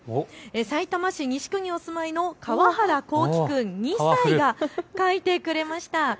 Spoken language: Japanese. さいたま市西区にお住まいのかわはらこうき君、２歳が描いてくれました。